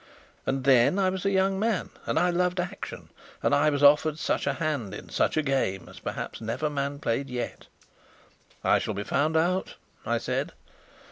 And then I was a young man and I loved action, and I was offered such a hand in such a game as perhaps never man played yet. "I shall be found out," I said.